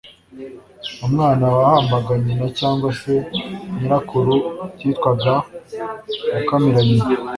Umwana wahambaga nyina cyangwa se nyirakuru byitwaga gukamira nyina